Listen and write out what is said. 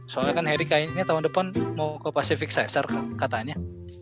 soalnya kan harry kayaknya tahun depan mau ke pacific cesar katanya